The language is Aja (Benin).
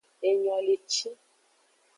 Enyoleci.